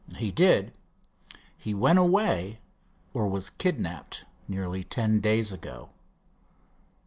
"He did. He went away, or was kidnapped, nearly ten days ago."